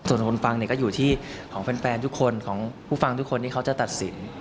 ส่วนคนฟังเนี่ยก็อยู่ที่ของแฟนทุกคนของผู้ฟังทุกคนที่เขาจะตัดสิน